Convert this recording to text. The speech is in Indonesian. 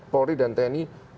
polri dan tni